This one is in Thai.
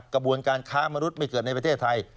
กระบวนการค้ามนุษย์ไม่เกิดในประเทศไทย